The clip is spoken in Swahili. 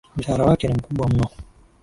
Mshahara wake ni mkubwa mno.